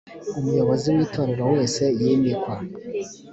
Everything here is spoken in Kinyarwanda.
umuyobozi w itorero wese yimikwa